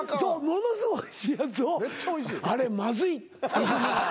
ものすごいおいしいやつをあれまずいオチやねん。